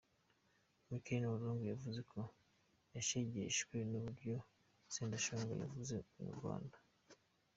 Michela Wrong yavuze ko yashegeshwe n’uburyo Sendashonga yeguye mu Rwanda.